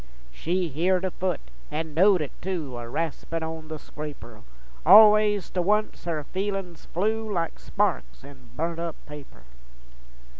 She heered a foot, an' knowed it tu, A raspin' on the scraper, All ways to once, her feelins flew Like sparks in burnt up paper.